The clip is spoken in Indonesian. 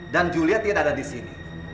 dan julia tidak ada di sini